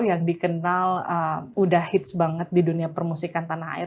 yang dikenal udah hits banget di dunia permusikan tanah air